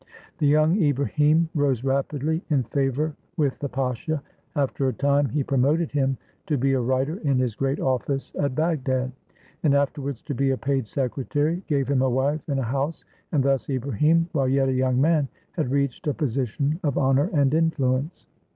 The young Ibrahim rose rapidly in favor with the pasha. After a time, he promoted him to be a writer in his great office at Bagdad, and afterwards to be a paid secretary, gave him a wife and a house, and thus Ibrahim, while yet a young man, had reached a posi tion of honor and influence.